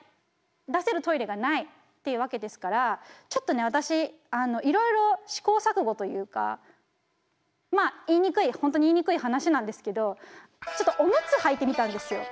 出せるトイレがないっていうわけですからちょっとね私いろいろ試行錯誤というかまあ言いにくい本当に言いにくい話なんですけどちょっとオムツはいてみたんですよ。